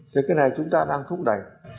thế cái này chúng ta đang thúc đẩy